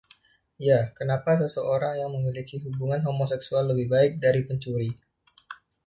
Ya, kenapa seseorang yang memiliki hubungan homoseksual lebih baik dari pencuri?